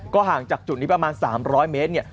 ห่างจากจุดนี้ประมาณ๓๐๐เมตรเนี่ย